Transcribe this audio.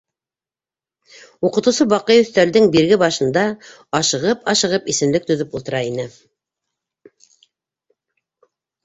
Уҡытыусы Баҡый өҫтәлдең бирге башында ашығып-ашығып исемлек төҙөп ултыра ине.